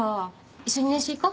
一緒に練習行こう。